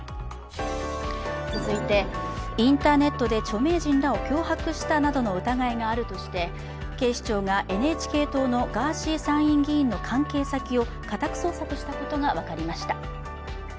続いて、インターネットで著名人らを脅迫したなどの疑いがあるとして警視庁がＮＨＫ党のガーシー参院議員の関係先を家宅捜索したことが分かりました。